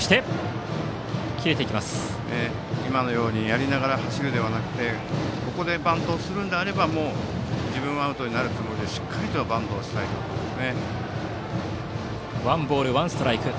今のようにやりながら走るのではなくてここでバントをするのであれば自分はアウトになるつもりでしっかりバントしたいです。